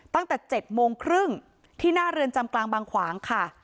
ตั้งแต่๗โมงครึ่งที่หน้าเรือนจำกลางบางขวางค่ะ